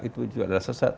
itu adalah sesat